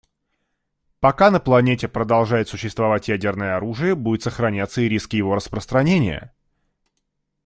Пока на планете продолжает существовать ядерное оружие, будет сохраняться и риск его распространения.